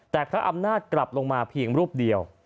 แต่พระอำนาจกลับลงมาเพียงรูปเดียว